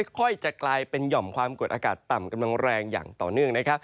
ค่อยจะกลายเป็นหย่อมความกดอากาศต่ำกำลังแรงอย่างต่อเนื่องนะครับ